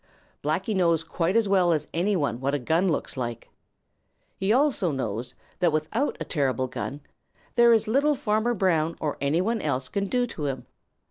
Blacky knows quite as well as any one what a gun looks like. He also knows that without a terrible gun, there is little Farmer Brown or any one else can do to him.